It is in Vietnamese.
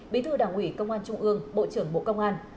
bí thư đảng ủy công an trung ương bộ trưởng bộ công an